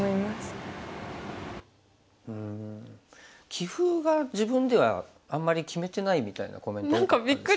棋風が自分ではあんまり決めてないみたいなコメント多かったですよね。